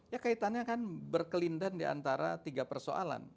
ya kaitannya kan berkelindahan di antara tiga persoalan